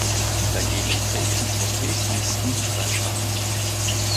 Dagegen prägten Porträtbüsten sein Schaffen.